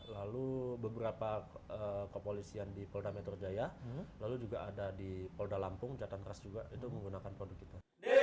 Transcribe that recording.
lalu beberapa kepolisian di polda metro jaya lalu juga ada di polda lampung jatan keras juga itu menggunakan produk kita